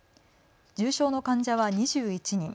重症の患者は２１人。